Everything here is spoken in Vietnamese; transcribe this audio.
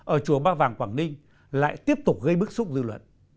ở chùa ba vàng quảng ninh lại tiếp tục gây bức xúc dư luận